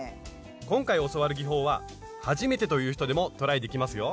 今回教わる技法は初めてという人でもトライできますよ。